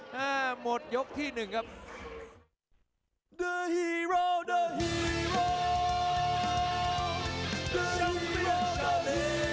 ถ้าหมดยกที่หนึ่งครับ